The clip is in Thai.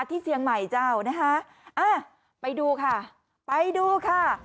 ที่เชียงใหม่เจ้านะคะอ่าไปดูค่ะไปดูค่ะ